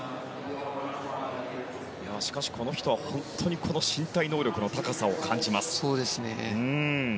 しかし、この人は本当に身体能力の高さを感じます。